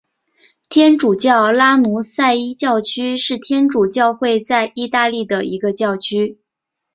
天主教拉努塞伊教区是天主教会在义大利的一个教区。